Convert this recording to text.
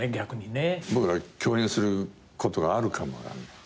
僕ら共演することがあるかも分かんないですね。